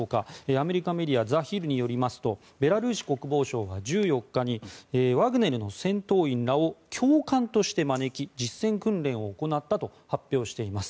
アメリカメディアザ・ヒルによりますとベラルーシ国防省が１４日にワグネルの戦闘員らを教官として招き実戦訓練を行ったと発表しています。